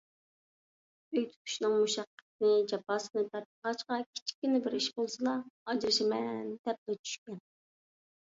ئۆي تۇتۇشنىڭ مۇشەققىتىنى، جاپاسىنى تارتمىغاچقا، كىچىككىنە بىر ئىش بولسىلا «ئاجرىشىمەن» دەپلا چۈشكەن.